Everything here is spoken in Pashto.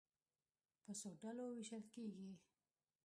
په څو ډلو وېشل کېږي.